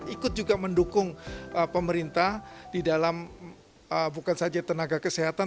ikut juga mendukung pemerintah di dalam bukan saja tenaga kesehatan